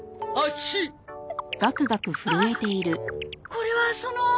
これはその。